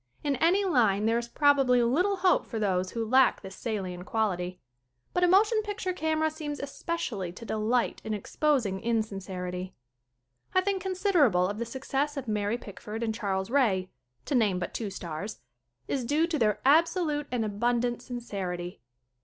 In any line there is probably little hope for those who lack this salient quality. But a motion picture camera seems especially to delight in exposing insincerity. I think considerable of the success of Mary Pickford and Charles Ray to name but two stars is due to their absolute and abundant sincerity.